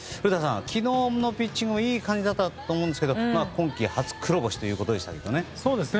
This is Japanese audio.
昨日のピッチングもいい感じだったと思うんですが今季初黒星ということでしたけどね。